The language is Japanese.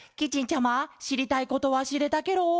ちゃましりたいことはしれたケロ？